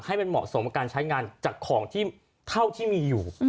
ให้มันเหมาะสมกับการใช้งานจากของที่เท่าที่มีอยู่